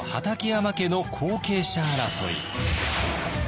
山家の後継者争い。